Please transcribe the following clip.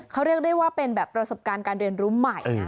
เขาเรียกได้ว่าเป็นแบบประสบการณ์การเรียนรู้ใหม่นะ